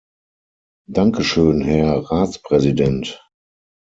Danke schön, Herr Ratspräsident!